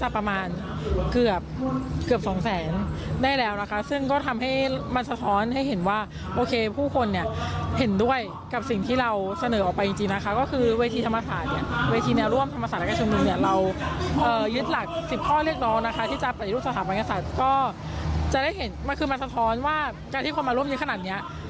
เพราะฉะนั้นว่าจากที่คนมาร่วมยืนขนาดนี้